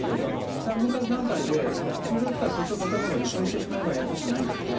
遺産分割段階で、通常だったら、土地と建物、一緒にしてしまえばややこしくないんですよね。